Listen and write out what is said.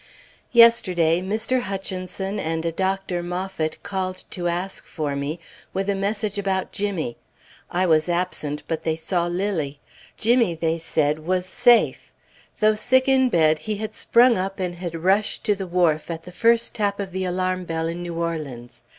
Yesterday, Mr. Hutchinson and a Dr. Moffat called to ask for me, with a message about Jimmy. I was absent, but they saw Lilly. Jimmy, they said, was safe. Though sick in bed, he had sprung up and had rushed to the wharf at the first tap of the alarm bell in New Orleans.